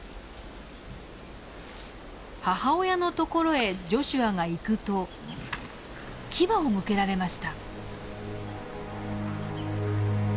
母親のところへジョシュアが行くと牙を向けられました。